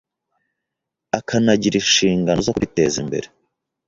akanagira inshingano zo kubiteza imbere